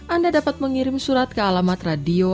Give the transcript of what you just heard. anda dapat mengirim surat ke alamat radio